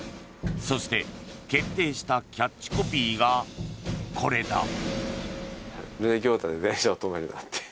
そして、決定したキャッチコピーがこれだ。